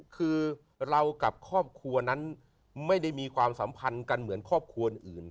คือเรากับครอบครัวนั้นไม่ได้มีความสัมพันธ์กันเหมือนครอบครัวอื่น